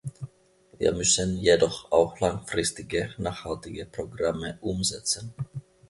Wir müssen jedoch auch langfristige, nachhaltige Programme umsetzen.